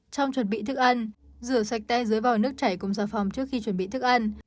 trong chuẩn bị thức ăn rửa sạch te dưới vòi nước chảy cùng xà phòng trước khi chuẩn bị thức ăn